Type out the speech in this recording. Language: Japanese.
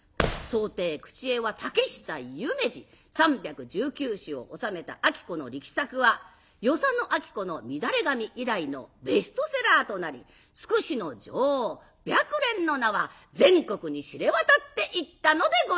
装丁口絵は竹久夢二３１９詩を収めた子の力作は与謝野晶子の「みだれ髪」以来のベストセラーとなり「筑紫の女王白蓮」の名は全国に知れ渡っていったのでございます。